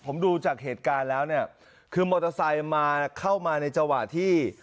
ผมดูจากเหตุการณ์แล้วเนี่ยคือมอเตอร์ไซค์มาเข้ามาในจังหวะที่